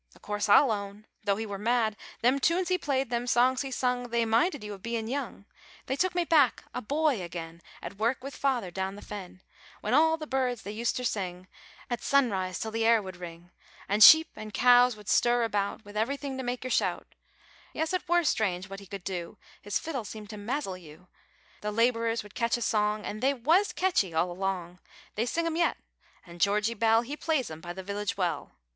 A course I'll own, though he wor mad, Them tunes he played, them songs he sung, They minded you of bein' young; They took me back, a boy, agen At work wi' Feyther down the Fen, When all the birds they uster sing At sunrise till the air would ring, And sheep and cows would stir about Wi' everything to make yer shout, Yes it wor strange what he could do, His fiddle seemed to mazzle you, The labourers would catch a song An' they was catchy all along; They sing 'em yet; an' Georgy Bell He plays 'em by the village well.